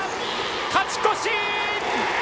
勝ち越し！